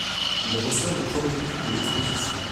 Il y reçoit le premier prix de l'exposition.